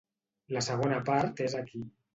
La segona part és aquí.